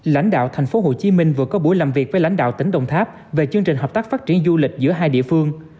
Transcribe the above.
lãnh đạo tp hcm vừa có buổi làm việc với lãnh đạo tỉnh đồng tháp về chương trình hợp tác phát triển du lịch giữa hai địa phương